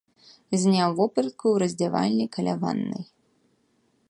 Зняў вопратку ў раздзявальні каля ваннай.